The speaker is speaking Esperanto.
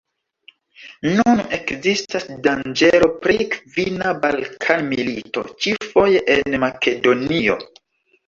Nun ekzistas danĝero pri kvina Balkan-milito, ĉi-foje en Makedonio.